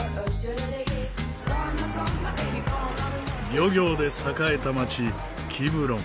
漁業で栄えた街キブロン。